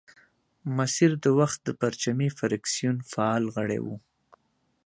مسیر د وخت د پرچمي فرکسیون فعال غړی وو.